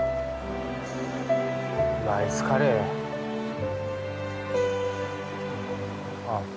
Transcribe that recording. ライスカレーあッ